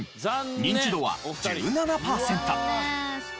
ニンチドは１７パーセント。